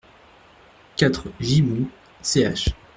quatre Gibbon, ch.